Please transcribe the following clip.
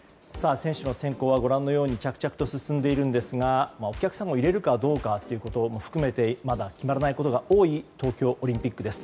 選手の選考はご覧のように着々と進んでいるんですがお客さんを入れるかどうかというところを含めてまだ決まらないことが多い東京オリンピックです。